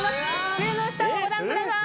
机の下をご覧ください！